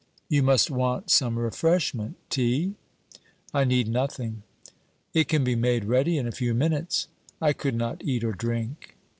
'You must want some refreshment... tea?' 'I need nothing.' 'It can be made ready in a few minutes.' 'I could not eat or drink.'